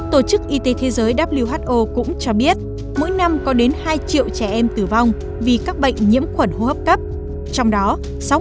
tổ chức y tế thế giới who cũng cho biết mỗi năm có đến hai triệu trẻ em tử vong vì các bệnh nhiễm khuẩn hô hấp cấp trong đó sáu mươi là do ô nhiễm không khí